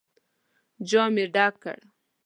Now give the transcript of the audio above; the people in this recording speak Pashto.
جام يې ډک کړ.